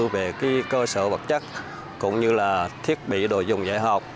về cơ sở vật chất cũng như là thiết bị đồ dùng dạy học